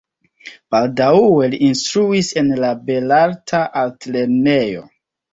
Baldaŭe li instruis en la belarta altlernejo.